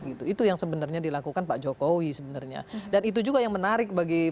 gitu itu yang sebenarnya dilakukan pak jokowi sebenarnya dan itu juga yang menarik bagi